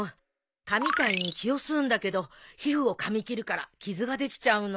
蚊みたいに血を吸うんだけど皮膚をかみ切るから傷ができちゃうの。